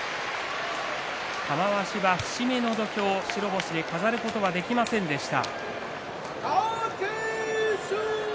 玉鷲は節目の土俵を白星で飾ることはできませんでした。